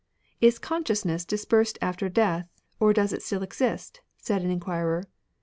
" Is consciousness dispersed after death, or does it still exist ?" said an enquirer.